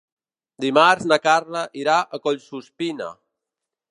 Dimarts na Carla irà a Collsuspina.